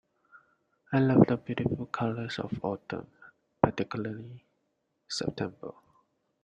I love the beautiful colours of autumn, particularly September